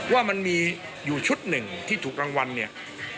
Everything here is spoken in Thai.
ว่ามันมีอยู่ชุดหนึ่งที่ถูกรางวัลเนี่ย